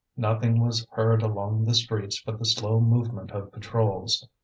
Nothing was heard along the streets but the slow movement of patrols.